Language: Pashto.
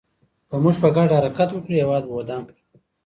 که موږ په ګډه حرکت وکړو، هېواد به ودان کړو.